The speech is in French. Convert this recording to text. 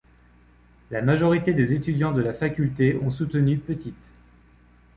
La majorité des étudiants de la faculté ont soutenu Pettit.